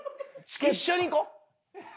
一緒に行こう。